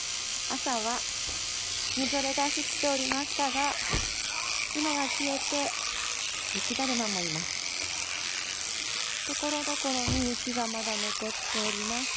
朝はみぞれが降っておりましたが今は消えて、雪だるまもいます。